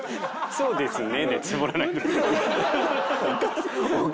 「そうですね」。